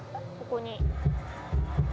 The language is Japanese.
ここに。